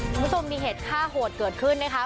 คุณผู้ชมมีเหตุฆ่าโหดเกิดขึ้นนะคะ